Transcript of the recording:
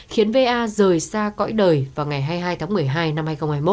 khiến va rời xa cõi đời vào ngày hai mươi hai tháng một mươi hai năm hai nghìn hai mươi một